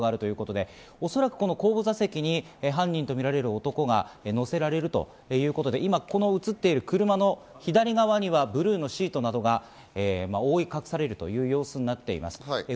この車両の上にはパトランプがあるということでおそらく後部座席に犯人とみられる男が乗せられるということで今、映っているこの車の左側にはブルーのシートなどが覆い隠されるという様子になっています。